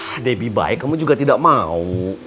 ah deby baik kamu juga tidak mau